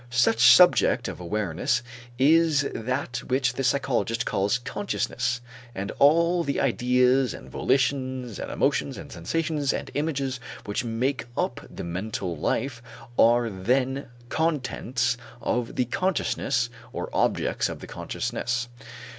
Such subject of awareness is that which the psychologist calls consciousness and all the ideas and volitions and emotions and sensations and images which make up the mental life are then contents of the consciousness or objects of the consciousness.